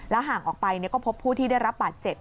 ห่างออกไปก็พบผู้ที่ได้รับบาดเจ็บ